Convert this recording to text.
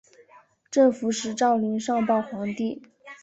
镇抚使赵霖上报皇帝。